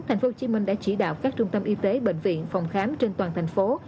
tp hcm đã chỉ đạo các trung tâm y tế bệnh viện phòng khám trên toàn thành phố